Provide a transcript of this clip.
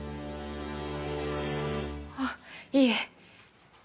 あっいえ。